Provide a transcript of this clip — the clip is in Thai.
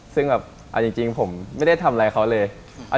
ซึ่งแบบเอาจริงผมไม่ได้ทำอะไรเขาเลย